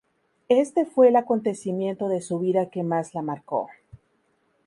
Este fue el acontecimiento de su vida que más la marcó.